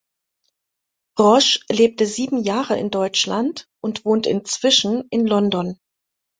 Roche lebte sieben Jahre in Deutschland und wohnt inzwischen in London.